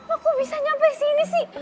aku bisa nyampe sini sih